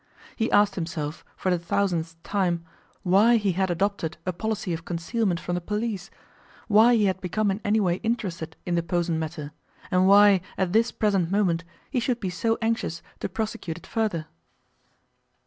He asked himself, for the thousandth time, why he had adopted a policy of concealment from the police, why he had become in any way interested in the Posen matter, and why, at this present moment, he should be so anxious to prosecute it further?